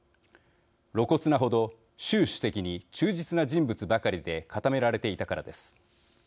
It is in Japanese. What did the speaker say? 露骨なほど、習主席に忠実な人物ばかりで固められていたからです。